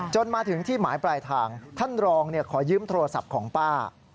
มาถึงที่หมายปลายทางท่านรองขอยืมโทรศัพท์ของป้า